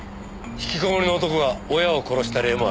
引きこもりの男が親を殺した例もある。